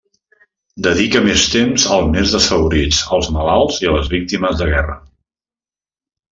Dedica més temps als més desfavorits, als malalts i a les víctimes de guerra.